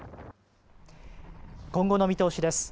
今後の見通しです。